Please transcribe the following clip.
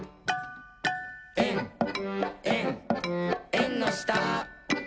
「えんえんえんのした」